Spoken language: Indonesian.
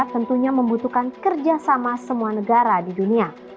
tentunya membutuhkan kerjasama semua negara di dunia